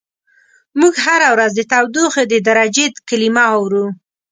موږ هره ورځ د تودوخې د درجې کلمه اورو.